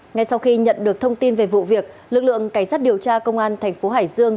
ngay sau khi nhận được thông tin về vụ việc lực lượng cảnh sát điều tra công an thành phố hải dương